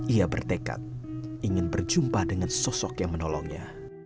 ia bertekad ingin berjumpa dengan sosok yang menolongnya